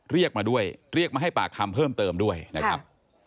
เรียกมาด้วยเรียกมาให้ปากคำเพิ่มเติมด้วยนะครับ